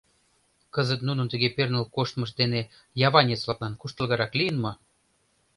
Кызыт нунын тыге перныл коштмышт дене яванец-влаклан куштылгырак лийын мо?..